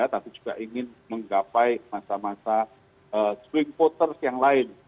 tapi juga ingin menggapai masa masa swing voters yang lain